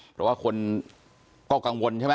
เพราะว่าคนก็กังวลใช่ไหม